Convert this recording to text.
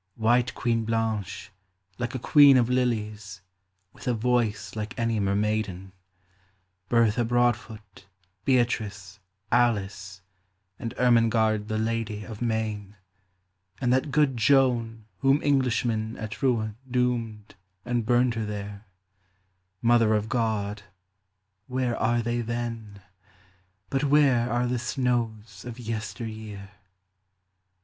White Queen Blanche, like a queen of lilies, With a voice like any mer maiden, — Bertha Broadfoot, Beatrice, Alice, And Ermengarde the lady of Maine, — And that good Joan whom Englishmen At Rouen doomed and burned her there, — Mother of God, where are they then ? But where are the snows of yester year